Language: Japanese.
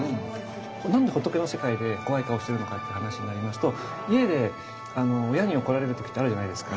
何で仏の世界で怖い顔をしてるのかって話になりますと家で親に怒られる時ってあるじゃないですか。